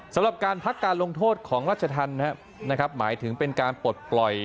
สำหรับการพักการลงโทษของราชธรรมนะครับหมายถึงเป็นการปลดปล่อย